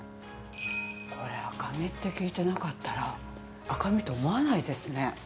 これ赤身って聞いてなかったら赤身って思わないですね。